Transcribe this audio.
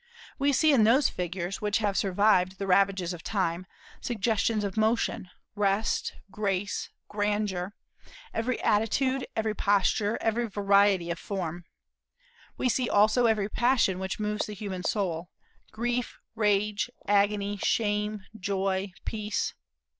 We see in those figures which have survived the ravages of time suggestions of motion, rest, grace, grandeur, every attitude, every posture, every variety of form. We see also every passion which moves the human soul, grief, rage, agony, shame, joy, peace.